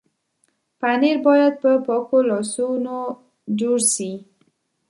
پنېر باید په پاکو لاسونو جوړ شي.